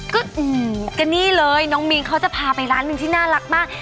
ก็นี่เลยน้องมิ้นเขาจะพาไปร้านหนึ่งที่น่ารักมาก